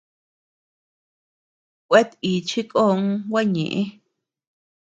Kuetíchi kon gua ñeʼë.